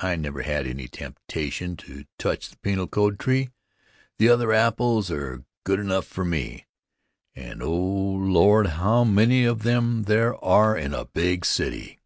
I never had any temptation to touch the Penal Code Tree. The other apples are good enough for me, and 0 Lord! how many of them there are in a big city!